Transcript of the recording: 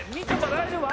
大丈夫？